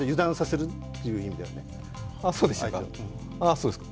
そうですか。